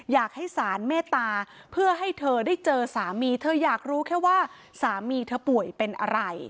อยากให้สารเมตตาเพื่อให้เธอได้เจอสามีเธออยากรู้แค่ว่าสามีเธอป่วยเป็นอะไร